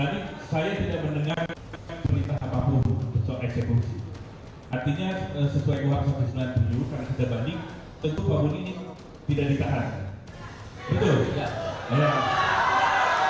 artinya sesuai kuasa hukum yang diunggah kita banding tentu bahwa buniani tidak ditahan